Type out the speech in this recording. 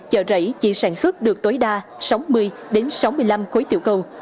chợ rẫy chỉ sản xuất được tối đa sáu mươi sáu mươi năm khối tiểu cầu